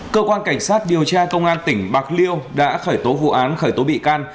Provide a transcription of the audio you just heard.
cơ quan cảnh sát điều tra công an tỉnh bạc liêu đã khởi tố vụ án khởi tố bị can